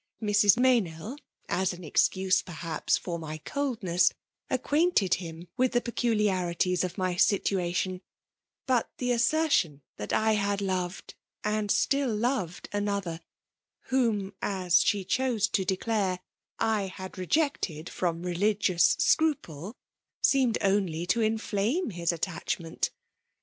Mrs. Meynell, as an excuse perhaps for my coldness^ acquainted him with the pccur liarities of my situation. But the aasertfcm that I had loved and still loved another, whom, as she chose to declare, I had rejected from it PSMAtB IxmiNAf lOKi 28$ fctigloiia scruple, seemed only to infiam^ bin aiiaclttnent.